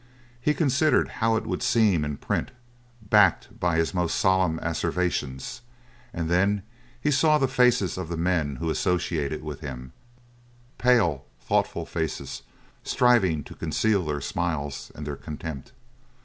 He considered how it would seem in print, backed by his most solemn asseverations, and then he saw the faces of the men who associated with him, pale thoughtful faces striving to conceal their smiles and their contempt.